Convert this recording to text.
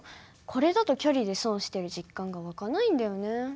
これだと距離で損してる実感が湧かないんだよね。